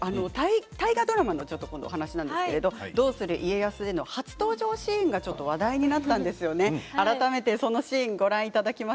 大河ドラマの話なんですけれど「どうする家康」での初登場シーンが話題になりました。